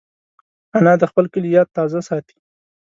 انا د خپل کلي یاد تازه ساتي